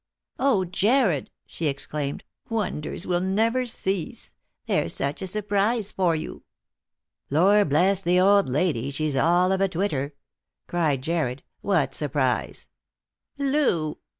"0 Jarred," she exclaimed, "wonders will never cease! There's such a surprise for you." " Lord bless the old lady, she's all of a twitter !" cried Jarred. " What surprise?" "Loo!"